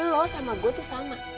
lo sama gue tuh sama